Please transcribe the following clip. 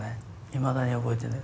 いまだに覚えてる。